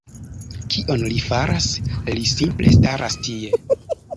Kion li faras? Li simple staras tie!